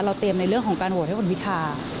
เตรียมในเรื่องของการโหวตให้คุณพิทา